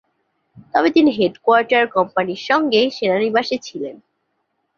তবে তিনি হেডকোয়ার্টার কোম্পানির সঙ্গে সেনানিবাসে ছিলেন।